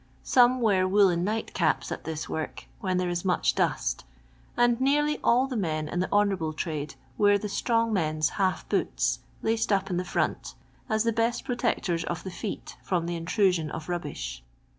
Some wear woollen 'night capf at this work when there is much dust ; and nearly all the men in the ho nourable trade wear the "strong men's" half boots, laced up in the front, as the best protectors of the feet from the intrusion of rubbish.